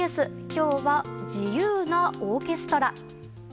今日は自由なオーケストラ。